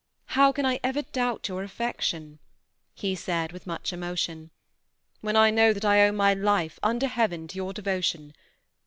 How can I ever doubt your affection," he said, with much emotion, " when I know that I owe my life, under Heaven, to your devotion